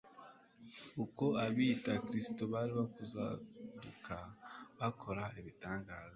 Kuko abiyita Kristo bari kuzaduka bakora ibitangaza